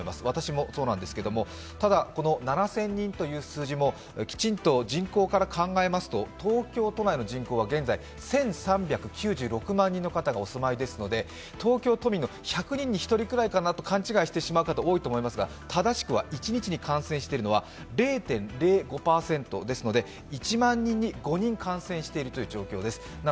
私もそうなんですけれども、ただこの７０００人という数字もきちんと人口から考えますと東京都内の人口は現在、１３９６万人の方がお住まいですので東京都民の１００人に１人ぐらいかなと勘違いしてしまう人が多いと思いますが正しくは一日に感染しているのは０．０５％ですので、１万人に５人感染しているという状況です。